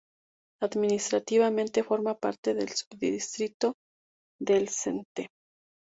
Administrativamente forma parte del subdistrito de St.